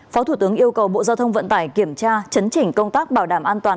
phó thủ tướng yêu cầu bộ giao thông vận tải kiểm tra chấn chỉnh công tác bảo đảm an toàn